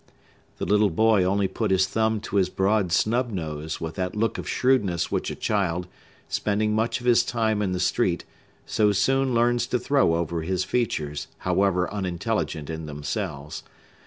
The little boy only put his thumb to his broad snub nose, with that look of shrewdness which a child, spending much of his time in the street, so soon learns to throw over his features, however unintelligent in themselves.